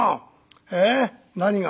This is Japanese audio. ええ？何が？